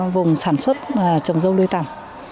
vùng sản xuất trồng râu lươi tằm